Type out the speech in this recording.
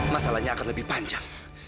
masalahnya akan lebih panjang